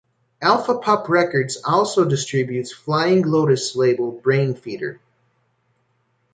Alpha Pup Records also distributes Flying Lotus' label Brainfeeder.